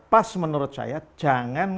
pas menurut saya jangan